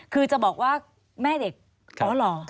คือจะบอกว่าแม่เด็กอ๋อเหรอ